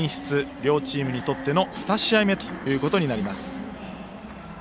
両チームにとっての２試合目ということになります。